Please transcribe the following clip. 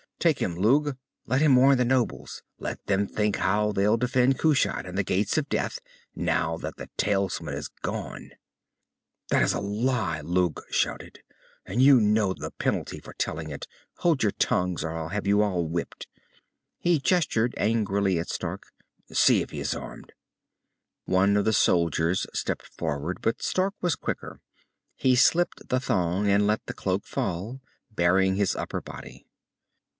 "Take him, Lugh! Let him warn the nobles. Let them think how they'll defend Kushat and the Gates of Death, now that the talisman is gone!" "That is a lie!" Lugh shouted. "And you know the penalty for telling it. Hold your tongues, or I'll have you all whipped." He gestured angrily at Stark. "See if he is armed." One of the soldiers stepped forward, but Stark was quicker. He slipped the thong and let the cloak fall, baring his upper body.